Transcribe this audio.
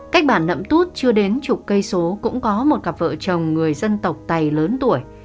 cách bản nậm tút chưa đến chục cây số cũng có một cặp vợ chồng người dân tộc tày lớn tuổi